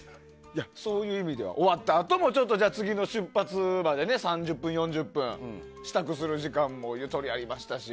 そういう意味では終わったあとも次の出発まで３０分、４０分支度する時間もゆとりありましたし。